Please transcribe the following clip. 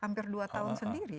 hampir dua tahun sendiri